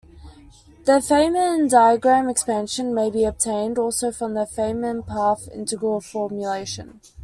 The Feynman diagram expansion may be obtained also from the Feynman path integral formulation.